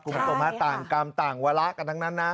คุณผู้ชมฮะต่างกรรมต่างวาระกันทั้งนั้นนะ